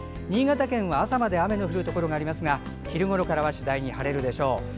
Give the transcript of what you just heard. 新潟県は、朝まで雨の降るところがありますが昼ごろからは次第に晴れるでしょう。